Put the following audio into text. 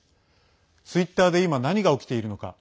ツイッターで今、何が起きているのか。